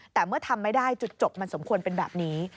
แต่เมื่อทำไม่ได้จุดจบมันสมควรเป็นแบบนี้